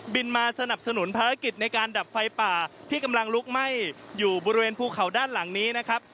มาสนับสนุนภารกิจในการดับไฟป่าที่กำลังลุกไหม้อยู่บริเวณภูเขาด้านหลังนี้นะครับ